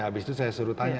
habis itu saya suruh tanya